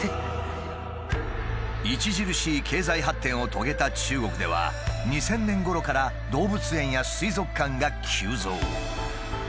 著しい経済発展を遂げた中国では２０００年ごろから動物園や水族館が急増。